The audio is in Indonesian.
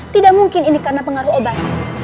tidak mungkin ini karena pengaruh obat